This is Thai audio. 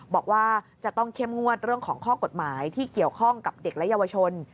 บอกว่าจะต้องเข้มงวดเรื่องของข้อกฎหมายที่เกี่ยวข้องกับเด็กและเยาวชน